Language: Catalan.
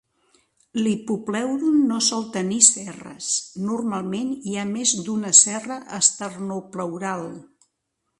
L'hipopleuron no sol tenir cerres; normalment hi ha més d'una cerra esternopleural.